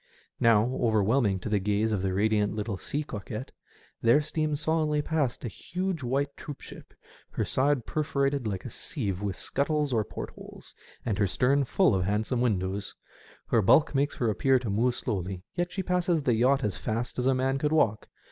Now, over whelming to the gaze of the radiant little sea coquette, there steams solemnly past a huge white troopship, her side perforated like a sieve with scuttles or port holes, and her stern full of handsome windows. Her bulk makes her appear to move slowly, yet she passes the yacht as fast as a man could walk.